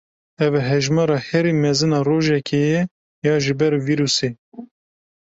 Ev hejmara herî mezin a rojekê ye ya ji ber vîrusê.